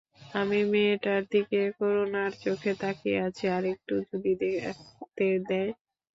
আমি মেয়েটার দিকে করুণার চোখে তাকিয়ে আছি, আরেকটু যদি দেখতে দেয়।